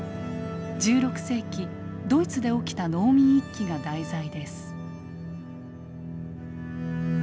１６世紀ドイツで起きた農民一揆が題材です。